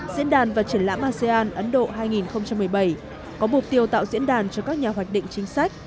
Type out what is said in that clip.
diễn đàn và triển lãm asean ấn độ hai nghìn một mươi bảy có mục tiêu tạo diễn đàn cho các nhà hoạch định chính sách